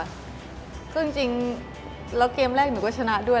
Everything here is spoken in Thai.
ซึ่งจริงแล้วเกมแรกหนูก็ชนะด้วย